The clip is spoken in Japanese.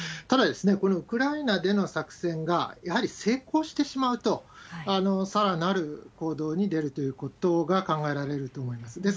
ただ、このウクライナでの作戦が、やはり成功してしまうと、さらなる行動に出るということが考えられると思います。